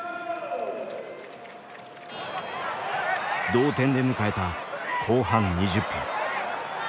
同点で迎えた後半２０分。